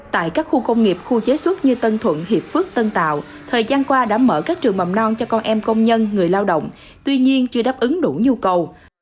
tại các khu công nghiệp khu chế xuất như tân thuận hiệp phước tân tạo thời gian qua đã mở các trường mầm non cho con em công nhân người lao động tuy nhiên chưa đáp ứng đủ nhu cầu